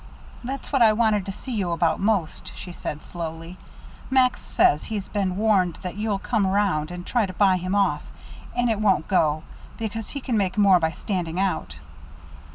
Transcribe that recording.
"That's what I wanted to see you about most," she said slowly. "Max says he's been warned that you'll come around and try to buy him off, and it won't go, because he can make more by standing out."